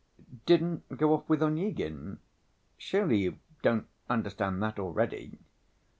"Didn't go off with Onyegin? Surely you don't ... understand that already?"